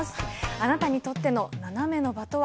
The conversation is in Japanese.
あなたにとってのナナメの場とは？